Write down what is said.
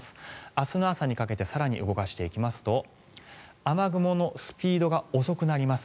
明日の朝にかけて更に動かしていきますと雨雲のスピードが遅くなります。